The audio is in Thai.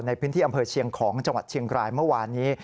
ในพื้นที่อำเภอเชียงของจังหวัดเชียงรายเมื่อวานนี้